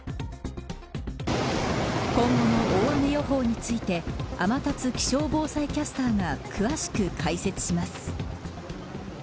今後の大雨予報について天達気象防災キャスターが詳しく解説します。